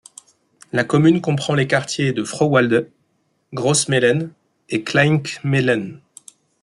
La commune comprend les quartiers de Frauwalde, Großkmehlen et Kleinkmehlen.